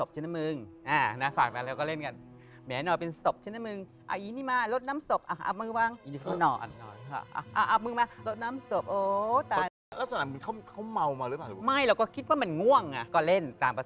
ฉันไปว่าเฮ้ยเสียงอะไรวะกัดฟัน